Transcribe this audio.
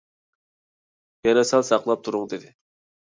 «يەنە سەل ساقلاپ تۇرۇڭ» دېدى.